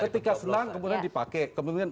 ketika selang kemudian dipakai kemudian